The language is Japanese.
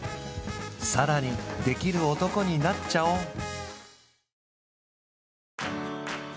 更にできる男になっちゃおう